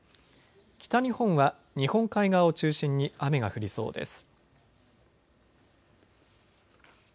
北日本は日本海側を中心に雨が降りそうです。